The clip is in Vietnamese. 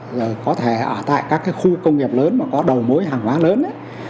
giờ có thể ở tại các khu công nghiệp lớn mà có đầu mối hàng hóa lớn